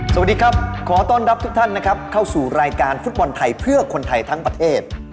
สวัสดีครับขอต้อนรับทุกท่านนะครับเข้าสู่รายการฟุตบอลไทยเพื่อคนไทยทั้งประเทศ